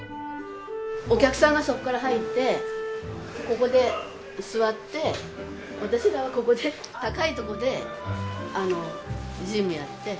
お客さんがそこから入ってここで座って私らはここで高い所で事務やって。